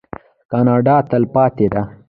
کاناډا تلپاتې ده.